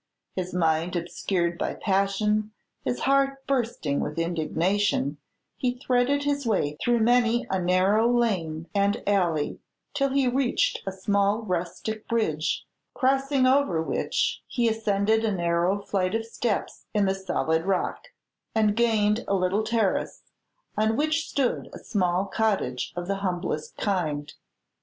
His mind obscured by passion, his heart bursting with indignation, he threaded his way through many a narrow lane and alley, till he reached a small rustic bridge, crossing over which he ascended a narrow flight of steps cut in the solid rock, and gained a little terrace, on which stood a small cottage of the humblest kind.